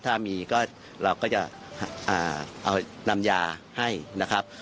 ถ้ามีก็เราก็จะเอานำยาให้นะครับ